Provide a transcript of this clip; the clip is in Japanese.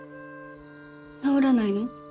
治らないの？